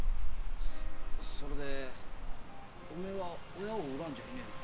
それでお前は親を恨んじゃいねえのか？